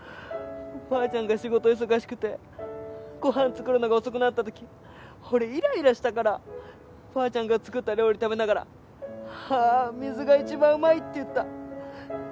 ばあちゃんが仕事忙しくてご飯作るのが遅くなった時俺イライラしたからばあちゃんが作った料理食べながらあ水が一番うまいって言った。